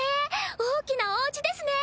大きなおうちですね。